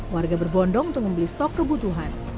warga berbondong untuk membeli stok kebutuhan